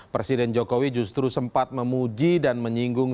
presiden jokowi justru sempat memuji dan menyinggung